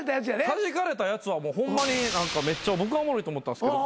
はじかれたやつはホンマに僕はおもろいと思ったんすけど。